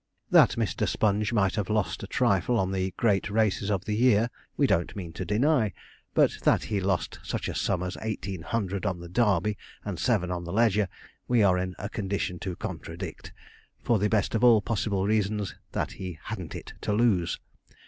That Mr. Sponge might have lost a trifle on the great races of the year, we don't mean to deny, but that he lost such a sum as eighteen hundred on the Derby, and seven on the Leger, we are in a condition to contradict, for the best of all possible reasons, that he hadn't it to lose.